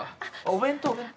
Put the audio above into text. お弁当お弁当。